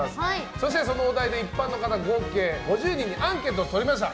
そして、そのお題で一般の方合計５０人にアンケートを取りました。